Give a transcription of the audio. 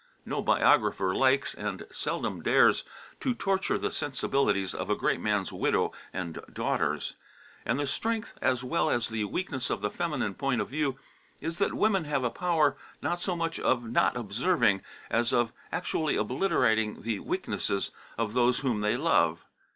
No biographer likes, and seldom dares, to torture the sensibilities of a great man's widow and daughters. And the strength as well as the weakness of the feminine point of view is that women have a power not so much of not observing, as of actually obliterating the weaknesses of those whom they love.